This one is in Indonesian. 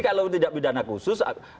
kalau tidak pidana khusus